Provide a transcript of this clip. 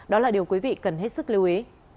đó là điều quý vị cần hết sức lưu ý